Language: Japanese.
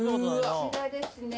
こちらですね